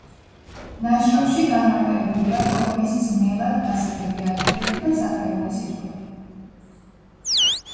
ნაშრომში განმარტებულია პოემის ძნელად გასაგები ადგილები და ცალკეული სიტყვები.